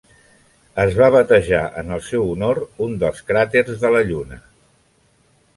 Es va batejar en el seu honor un dels cràters de la Lluna.